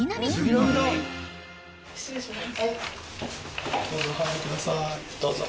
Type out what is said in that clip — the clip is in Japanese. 失礼します。